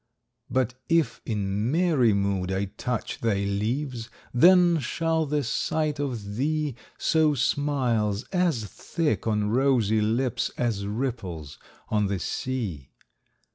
But if in merry mood I touch Thy leaves, then shall the sight of thee Sow smiles as thick on rosy lips As ripples on the sea.